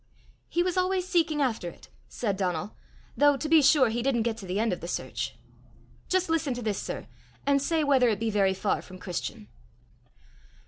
"He was always seeking after it," said Donal, "though to be sure he didn't get to the end of the search. Just listen to this, sir, and say whether it be very far from Christian."